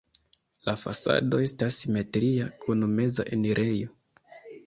La fasado estas simetria kun meza enirejo.